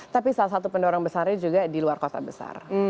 tapi salah satu pendorong besarnya juga di luar kota besar